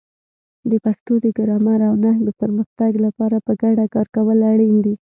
د پښتو د ګرامر او نحوې پرمختګ لپاره په ګډه کار کول اړین دي.